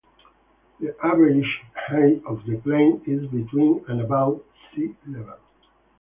The average height of the plain is between and above sea level.